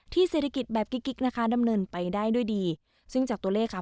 เศรษฐกิจแบบกิ๊กกิ๊กนะคะดำเนินไปได้ด้วยดีซึ่งจากตัวเลขค่ะ